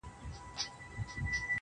o چي طلب ئې کوې، پر پېښ به سې٫